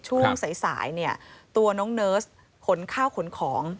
ช่วงสายเนี่ยตัวน้องเนิร์สขนข้าวขนของ